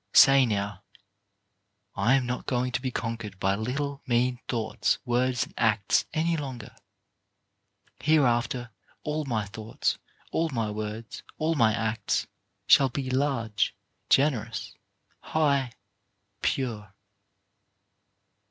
Say now, "I am not going to be conquered by little, mean thoughts, words and acts any longer. Hereafter all my thoughts, all my words, all my acts, shall be large, generous, high, pure."